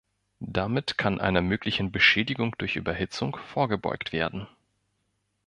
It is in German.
Damit kann einer möglichen Beschädigung durch Überhitzung vorgebeugt werden.